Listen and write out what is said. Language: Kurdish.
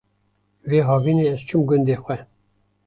Vê havînê ez çûm gundê xwe